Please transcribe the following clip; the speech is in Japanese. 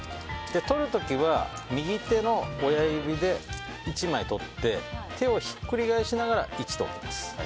とる時は右手の親指で１枚とって手をひっくり返しながら１と置きます。